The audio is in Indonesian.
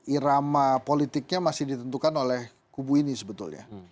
irama politiknya masih ditentukan oleh kubu ini sebetulnya